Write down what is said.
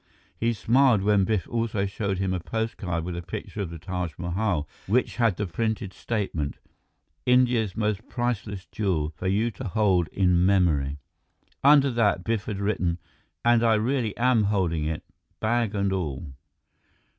He smiled when Biff also showed him a postcard with a picture of the Taj Mahal, which had the printed statement: India's most priceless jewel, for you to hold in memory. Under that, Biff had written, "And I really am holding it, bag and all.